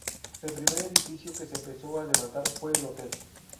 El primer edificio que se empezó a levantar fue el hotel.